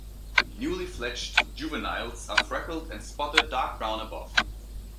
Newly fledged juveniles are freckled and spotted dark brown above.